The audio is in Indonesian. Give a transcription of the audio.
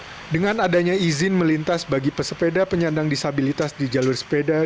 dengan adanya izin melintas bagi pesepeda penyandang disabilitas di jalur sepeda